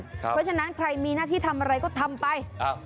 เพราะฉะนั้นใครมีหน้าที่ทำอะไรก็ทำไป